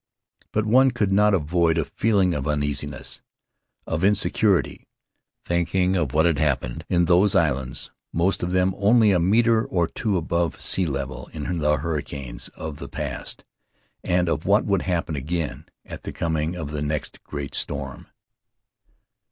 But one could not avoid a feeling of uneasiness, of insecurity, thinking of what had happened in those islands — most of them only a meter or two above sea level — in the hurricanes of the past; and of what would happen again at the coming of the next great storm.